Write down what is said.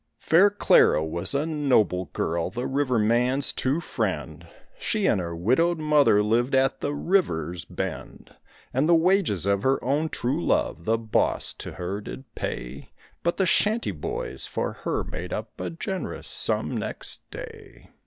Fair Clara was a noble girl, the river man's true friend; She and her widowed mother lived at the river's bend; And the wages of her own true love the boss to her did pay, But the shanty boys for her made up a generous sum next day.